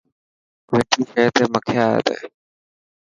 مٺي شين تي مکي اي تي.